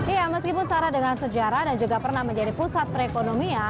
ya meskipun setara dengan sejarah dan juga pernah menjadi pusat perekonomian